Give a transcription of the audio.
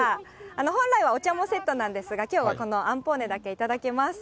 本来はお茶もセットなんですが、きょうはこのあんぽーねだけ頂きます。